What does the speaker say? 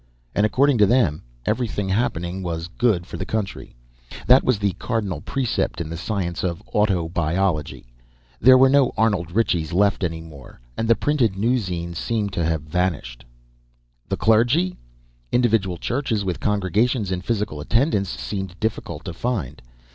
_" And according to them, everything happening was good for the country; that was the cardinal precept in the science of autobuyology. There were no Arnold Ritchies left any more, and the printed newzine seemed to have vanished. The clergy? Individual churches with congregations in physical attendance, seemed difficult to find.